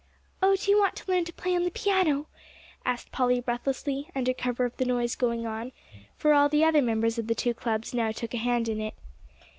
"Oh, do you want to learn to play on the piano?" asked Polly breathlessly, under cover of the noise going on, for all the other members of the two clubs now took a hand in it.